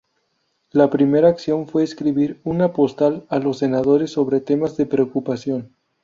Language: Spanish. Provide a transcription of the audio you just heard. La primera acción fue escribir una postal a los senadores sobre temas de preocupación.